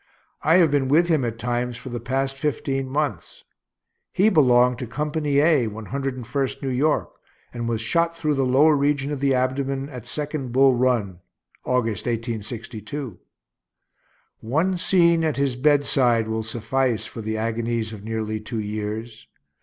I have been with him at times for the past fifteen months. He belonged to Company A, One Hundred and First New York, and was shot through the lower region of the abdomen at second Bull Run, August, 1862. One scene at his bedside will suffice for the agonies of nearly two years.